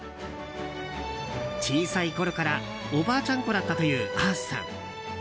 小さいころからおばあちゃん子だったというあーすさん。